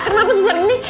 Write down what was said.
kenapa susah ini